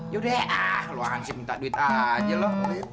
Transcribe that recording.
yaudah ah lo hansip minta duit aja lo